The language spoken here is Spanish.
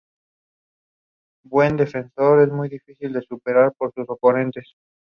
Los ganadores deben jugar partidos promocionales con equipos de esa categoría.